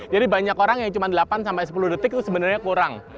jadi banyak orang yang cuma delapan sampai sepuluh detik itu sebenarnya kurang